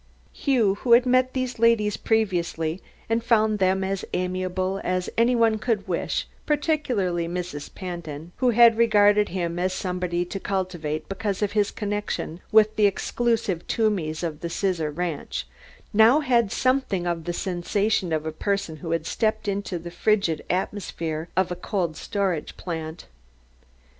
Hugh, who had met these ladies previously and found them as amiable as any one could wish particularly Mrs. Pantin, who had regarded him as somebody to cultivate because of his connection with the exclusive Toomeys of the Scissor Ranch now had something of the sensation of a person who had stepped into the frigid atmosphere of a cold storage plant.